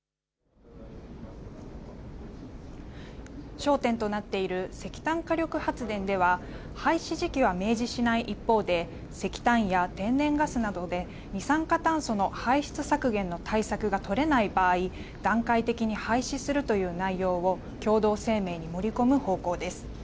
焦点となっている石炭火力発電では廃止時期は明示しない一方で石炭や天然ガスなどで二酸化炭素の排出削減の対策が取れない場合、段階的に廃止するという内容を共同声明に盛り込む方向です。